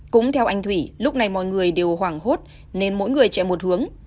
cũng theo anh thủy lúc này mọi người đều hoảng hốt nên mỗi người chạy một hướng